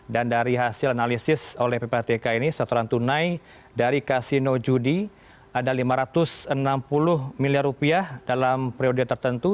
dan dari hasil analisis oleh ppatk ini setoran tunai dari kasino judi ada lima ratus enam puluh miliar rupiah dalam prioritas tertentu